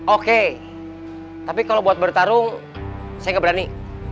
oke tapi kalau buat bertarung saya nggak berani